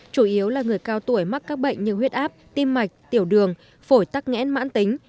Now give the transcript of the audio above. chủ yếu là người cao tuổi mắc các bệnh như huyết áp tim mạch tiểu đường phổi tắc nghẽn mãn tính